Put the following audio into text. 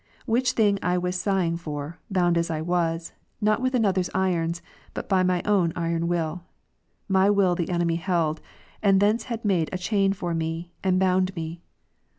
Which thing I was sighing for, bound as I was, not with another's irons, but by my own iron will. My will the enemy held, and thence had made a chain for me, and bound me.